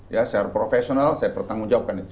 ya secara profesional saya bertanggung jawabkan itu